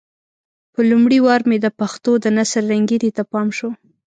په لومړي وار مې د پښتو د نثر رنګينۍ ته پام شو.